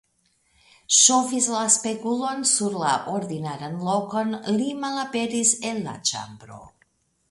Ŝovis la spegulon sur la ordinaran lokon, li malaperis el la ĉambro.